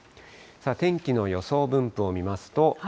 天気の予想分布を見ますと。